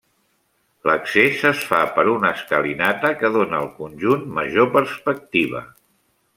L'accés es fa per una escalinata que dóna al conjunt major perspectiva.